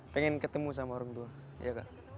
pengen ketemu sama orang tua